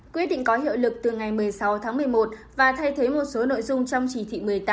quyết định có hiệu lực từ ngày một mươi sáu tháng một mươi một và thay thế một số nội dung trong chỉ thị một mươi tám